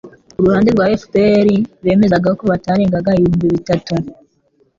ku ruhande rwa FPR bemezaga ko batarengaga ibihumbi bitatu